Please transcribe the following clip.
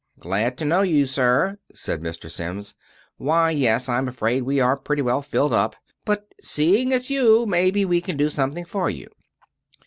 "Glad to know you, sir," said Mr. Sims. "Why, yes, I'm afraid we are pretty well filled up, but seeing it's you maybe we can do something for you."